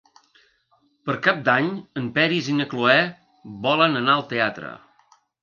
Per Cap d'Any en Peris i na Cloè volen anar al teatre.